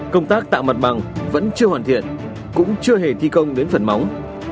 công tác tạo mặt bằng vẫn chưa hoàn thiện cũng chưa hề thi công đến phần móng